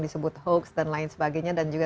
disebut hoax dan lain sebagainya dan juga